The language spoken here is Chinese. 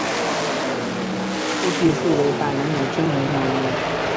菩提树为板中的精神象征。